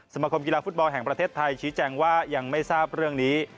สมาคมกีฬาฟุตบอลแห่งประเทศไทยชี้แจงว่ายังไม่ทราบเรื่องนี้